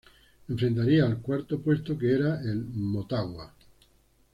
Enfrentaría al cuarto puesto que era el Motagua.